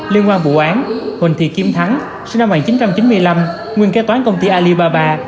liên quan vụ án huỳnh thị kim thắng sinh năm một nghìn chín trăm chín mươi năm nguyên kế toán công ty alibaba